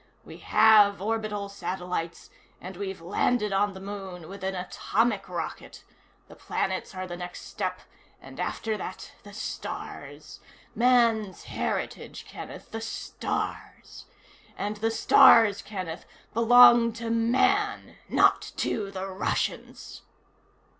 We have orbital satellites, and we've landed on the Moon with an atomic rocket. The planets are the next step, and after that the stars. Man's heritage, Kenneth. The stars. And the stars, Kenneth, belong to Man not to the Russians!"